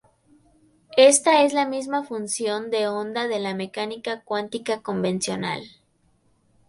Esta es la misma función de onda de la mecánica cuántica convencional.